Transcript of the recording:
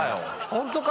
ホントか？